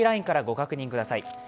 ＬＩＮＥからご確認ください。